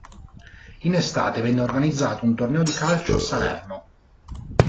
In estate venne organizzato un torneo di calcio a Salerno.